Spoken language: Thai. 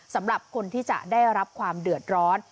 สำหรับคนที่จะได้รับความเดือดร้อน